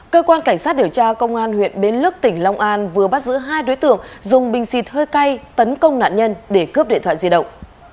cơ quan cảnh sát điều tra công an huyện bến lức tỉnh long an vừa bắt giữ hai đối tượng dùng bình xịt hơi cay tấn công nạn nhân để cướp điện thoại di động